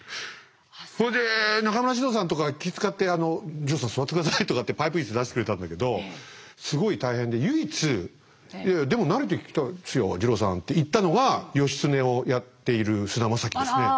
それで中村獅童さんとか気遣って「二朗さん座って下さい」とかってパイプ椅子出してくれたんだけどすごい大変で唯一「いやいやでも慣れてきたっすよ二朗さん」って言ったのが義経をやっている菅田将暉ですね。